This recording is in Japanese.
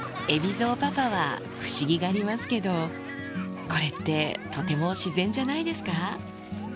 海老蔵パパは不思議がりますけど、これって、とても自然じゃないですか。